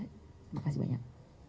terima kasih banyak